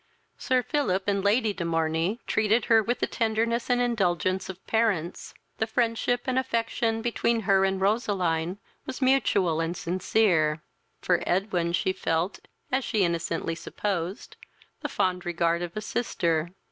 Sir Philip and Lady de Morney treated her with the tenderness and indulgence of parents; the friendship and affection between her and Roseline was mutual and sincere; for Edwin she felt, as she innocently supposed, the fond regard of a sister.